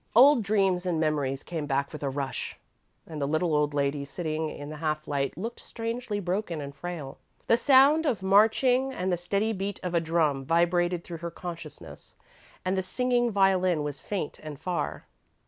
Old dreams and memories came back with a rush, and the little old lady sitting in the half light looked strangely broken and frail. The sound of marching and the steady beat of a drum vibrated through her consciousness and the singing violin was faint and far.